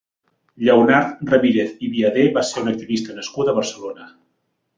Lleonard Ramírez i Viadé va ser un activista nascut a Barcelona.